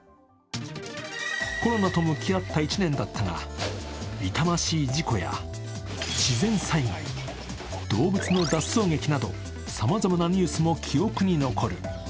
コロナと向き合った１年だったが痛ましい事故や自然災害、同粒の脱走劇などさまざまなニュースも記憶に残る。